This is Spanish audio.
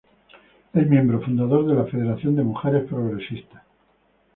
Es miembro fundador de la Federación de Mujeres Progresistas.